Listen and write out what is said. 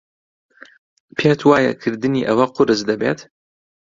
پێت وایە کردنی ئەوە قورس دەبێت؟